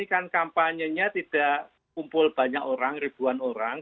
kan kampanyenya tidak kumpul banyak orang ribuan orang